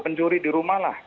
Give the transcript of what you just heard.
pencuri di rumah